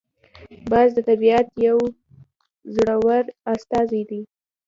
باز د طبیعت یو زړور استازی دی